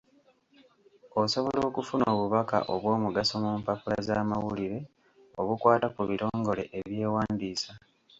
Osobola okufuna obubaka obw'omugaso mu mpapula z'amawulire obukwata ku bitongole eby'ewandiisa.